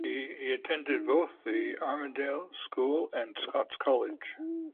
He attended both The Armidale School and Scots College.